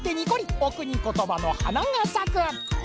お国ことばのはながさく。